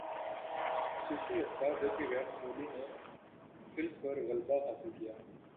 خصوصی اثرات جبکہ غیر معمولی نے فلم پر غلبہ حاصل کیا